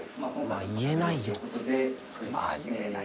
「まあ言えないよね」